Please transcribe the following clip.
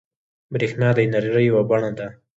بریښنا د انرژۍ یوه بڼه ده